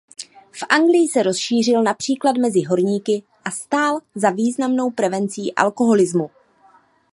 V Anglii se rozšířil například mezi horníky a stál za významnou prevencí alkoholismu.